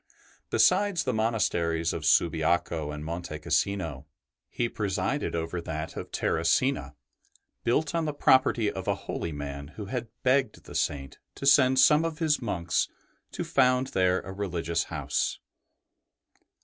Besides the monasteries of Subiaco and Monte Cassino, he presided over that of Terracina, built on the property of a holy man who had begged the Saint to send some of his monks to found there a religious house.